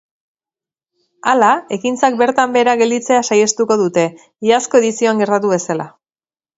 Hala, ekintzak bertan behera gelditzea saihestuko dute, iazko edizioan gertatu bezala.